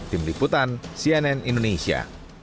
tim liputan cnn indonesia